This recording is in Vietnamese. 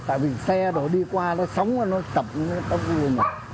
tại vì xe đồ đi qua nó sống nó cập nó cập vô mặt